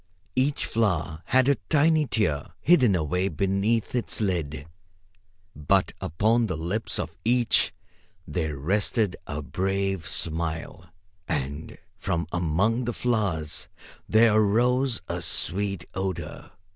Each flower had a tiny tear hidden away beneath its lid, but upon the lips of each there rested a brave smile. And from among the flowers there arose a sweet odor.